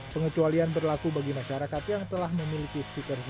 pengecualian berlaku bagi masyarakat yang telah memiliki stiker zona atau stiker khusus